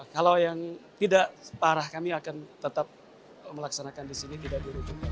kalau yang tidak parah kami akan tetap melaksanakan di sini tidak dirujuk